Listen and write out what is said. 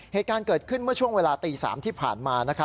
เหตุการณ์เกิดขึ้นเมื่อช่วงเวลาตี๓ที่ผ่านมา